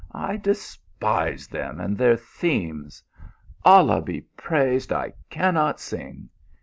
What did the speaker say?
I, despise them and their themes. Allah be praised, I cannot sing.